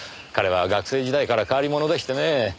彼は学生時代から変わり者でしてねえ。